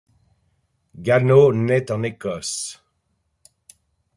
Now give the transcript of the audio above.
Gano naît en Écosse.